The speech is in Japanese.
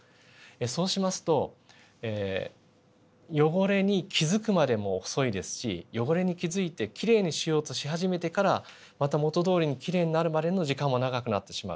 そうしますと汚れに気づくまでも遅いですし汚れに気づいてきれいにしようとし始めてからまた元どおりにきれいになるまでの時間も長くなってしまう。